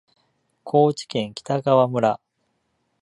高知県北川村